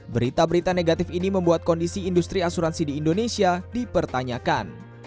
berita berita negatif ini membuat kondisi industri asuransi di indonesia dipertanyakan